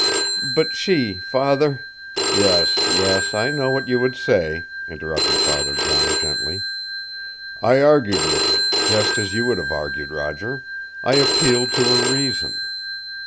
"But she, father " "Yes, yes, I know what you would say," interrupted Father John gently. "I argued with her, just as you would have argued, Roger. I appealed to her reason.